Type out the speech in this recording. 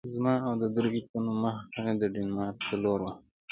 زما او د دریو تنو مخه د ډنمارک په لور وه.